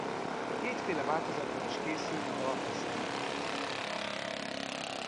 Kétféle változatban is készült a dalhoz klip.